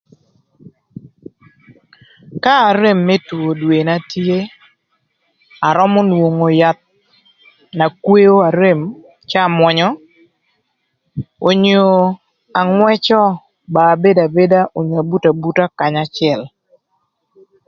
Ka arem më two dwena tye arömö nwongo yath na kweo arem cë amwönyö önyö angwëcö ba abedo abeda onyo abuto abuta kanya acël